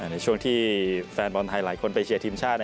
ในช่วงที่แฟนบอลไทยหลายคนไปเชียร์ทีมชาติ